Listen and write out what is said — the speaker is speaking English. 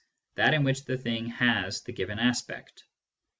that in which the thing has the given aspect.